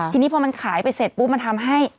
ทีนี้พอมันขายไปเสร็จปุ๊บมันทำให้